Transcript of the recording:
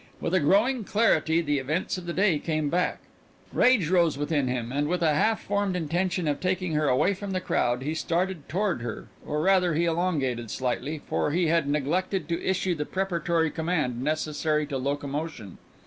With a growing clarity the events of the day came back rage rose within him, and with a half formed intention of taking her away from the crowd he started toward her or rather he elongated slightly, for he had neglected to issue the preparatory command necessary to locomotion.